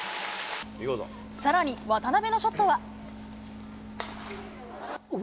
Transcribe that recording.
さらに、渡辺のショットは。